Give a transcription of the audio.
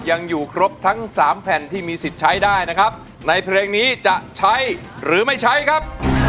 ยังอยู่ครบทั้งสามแผ่นที่มีสิทธิ์ใช้ได้นะครับในเพลงนี้จะใช้หรือไม่ใช้ครับ